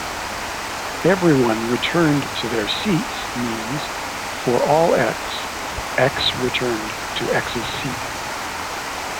Everyone returned to their seats means For all X, X returned to X's seat.